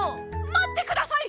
まってください！